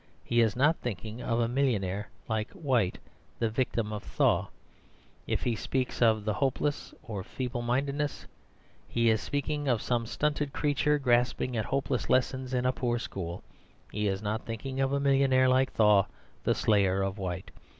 He is not thinking of a millionaire like White, the victim of Thaw. If he speaks of the hopelessness of feeble mindedness, he is thinking of some stunted creature gaping at hopeless lessons in a poor school. He is not thinking of a millionaire like Thaw, the slayer of White.